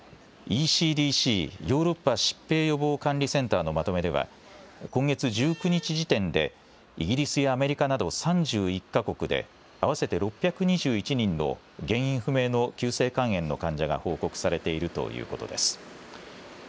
ＥＣＤＣ・ヨーロッパ疾病予防管理センターのまとめでは今月１９日時点でイギリスやアメリカなど３１か国で合わせて６２１人の原因不明の急性肝炎の患者が報告されているということです。